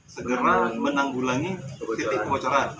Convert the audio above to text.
segera menanggulangi siti kebocoran